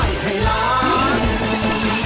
ขอบคุณพระเจ้า